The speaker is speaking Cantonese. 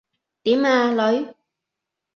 點呀，女？